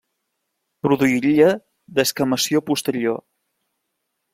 Produiria descamació posterior.